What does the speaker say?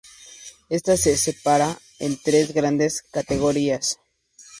Esta se separa en tres grandes categorías.